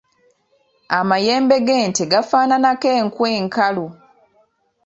Amayembe g’ente gafaananako enku enkalu.